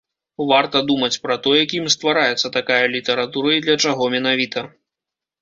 Варта думаць пра тое, кім ствараецца такая літаратура і для чаго менавіта.